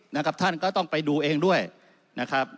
นะครับท่านก็ต้องไปดูเองด้วยนะครับ